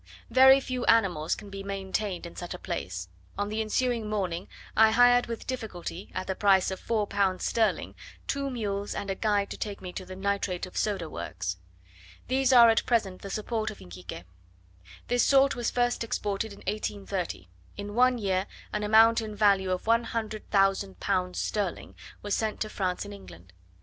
Very few animals can be maintained in such a place: on the ensuing morning I hired with difficulty, at the price of four pounds sterling, two mules and a guide to take me to the nitrate of soda works. These are at present the support of Iquique. This salt was first exported in 1830: in one year an amount in value of one hundred thousand pounds sterling, was sent to France and England.